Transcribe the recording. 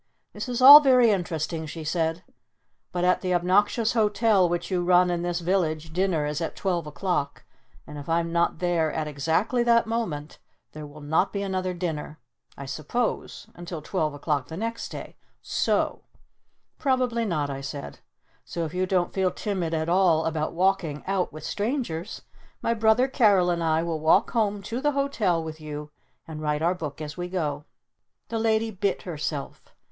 "This is all very interesting," she said. "But at the obnoxious hotel which you run in this village dinner is at twelve o'clock and if I'm not there at exactly that moment there will not be another dinner, I suppose, until twelve o'clock the next day. So " "Probably not," I said. "So if you don't feel timid at all about walking out with strangers, my brother Carol and I will walk home to the Hotel with you and write our book as we go." The Lady bit herself.